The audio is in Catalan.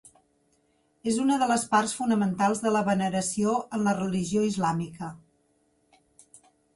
És una de les parts fonamentals de la veneració en la religió islàmica.